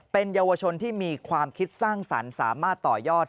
เป็นเยาวชนที่มีความคิดสร้างสรรค์สามารถต่อยอด